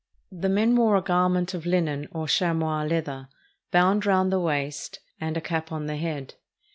The men wore a garment of hnen, or chamois leather, bound round the waist, and a cap on the head.